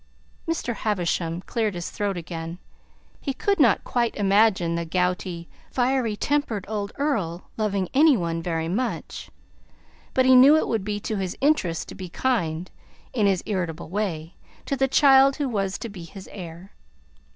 Mr. Havisham cleared his throat again. He could not quite imagine the gouty, fiery tempered old Earl loving any one very much; but he knew it would be to his interest to be kind, in his irritable way, to the child who was to be his heir.